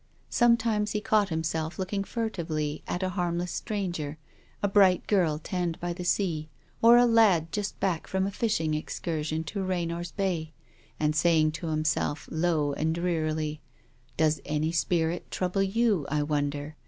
Sometimes he caught himself looking furtively at a harmless stranger, a bright girl tanned by the sea, or a lad just back from a fishing excursion to Raynor's Bay, and saying to himself low and drearily :" Does any spirit trouble you, I wonder?